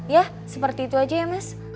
ya seperti itu aja ya mas